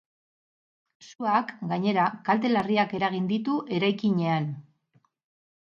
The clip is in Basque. Suak, gainera, kalte larriak eragin ditu eraikinean.